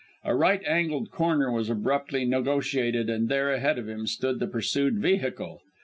A right angled corner was abruptly negotiated and there, ahead of him, stood the pursued vehicle!